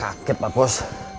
saya juga kaget pak bos